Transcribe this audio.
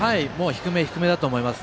低め、低めだと思います。